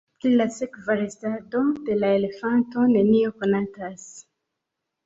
Pri la sekva restado de la elefanto nenio konatas.